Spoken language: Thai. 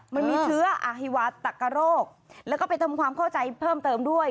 มันมีเชื้ออฮิวาตักกะโรคแล้วก็ไปทำความเข้าใจเพิ่มเติมด้วย